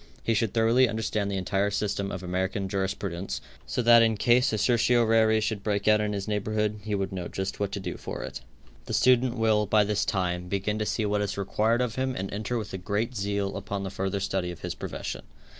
He should thoroughly understand the entire system of American jurisprudence, so that in case a certiorari should break out in his neighborhood he would know just what to do for it. The student will, by this time, begin to see what is required of him and enter with great zeal upon the further study of his profession.